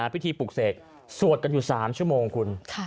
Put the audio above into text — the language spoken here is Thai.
ปลูกเสกสวดกันอยู่๓ชั่วโมงคุณ